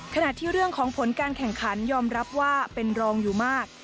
ขณะที่เรื่องของผลการแข่งขันยอมรับว่าเป็นรองอยู่มาก